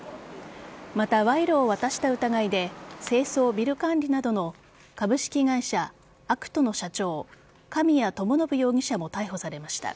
また、賄賂を渡した疑いで清掃・ビル管理などの株式会社アクトの社長神谷知伸容疑者も逮捕されました。